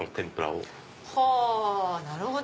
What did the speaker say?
はぁなるほど。